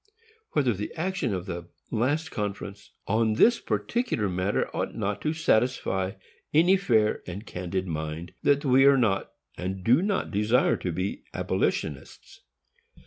Whether the action of the last conference on this particular matter ought not to satisfy any fair and candid mind that we are not, and do not desire to be, abolitionists.